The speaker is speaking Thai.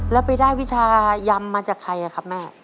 แล้วไปได้วิชายำมาจากใครครับแม่